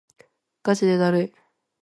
ガチでだるい